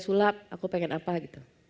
sulap aku pengen apa gitu